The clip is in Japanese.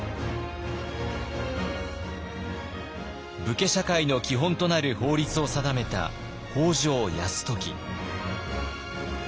武家社会の基本となる法律を定めた北条泰時。